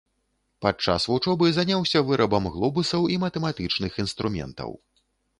Падчас вучобы заняўся вырабам глобусаў і матэматычных інструментаў.